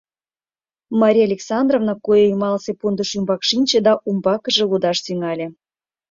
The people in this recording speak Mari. Мария Александровна куэ йымалнысе пундыш ӱмбак шинче да умбакыже лудаш тӱҥале.